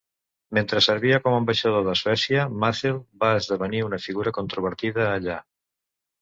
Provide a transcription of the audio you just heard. Mentre servia com a ambaixador de Suècia, Mazel va esdevenir una figura controvertida allà.